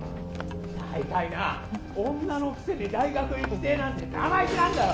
大体な女のくせに大学行きてえなんて生意気なんだよ！